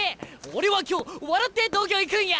俺は今日笑って東京行くんや！